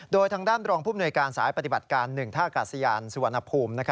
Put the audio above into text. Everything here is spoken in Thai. โดยทางด้านรองภูมิหน่วยการสายปฏิบัติการ๑ท่ากาศยานสุวรรณภูมิ